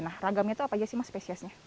nah ragamnya itu apa aja sih mas spesiesnya